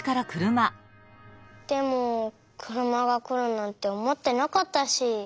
でもくるまがくるなんておもってなかったし。